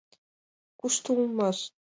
Кушто улмаш?..